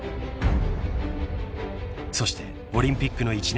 ［そしてオリンピックの１年後］